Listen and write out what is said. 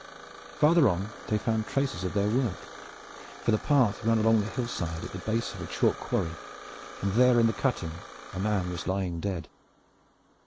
Farther on they found traces of their work, for the path ran along the hillside at the base of a chalk quarry, and there in the cutting a man was lying dead.